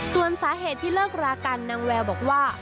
ส่วนสาเหตุที่เลิกรากันนางแววบอกว่า